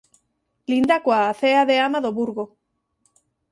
Linda coa Acea de Ama do Burgo.